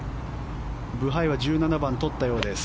ブハイは１７番とったようです。